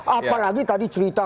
apalagi tadi cerita